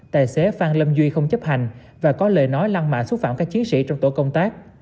tài xế phan lâm duy không chấp hành và có lời nói lăng mạ xúc phạm các chiến sĩ trong tổ công tác